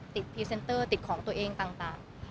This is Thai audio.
พรีเซนเตอร์ติดของตัวเองต่าง